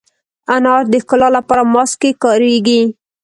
انار د ښکلا لپاره ماسک کې کارېږي.